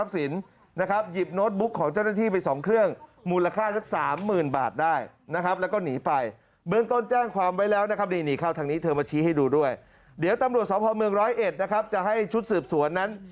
สมภาพเมือง๑๐๑นะครับจะให้ชุดสืบสวนนั้น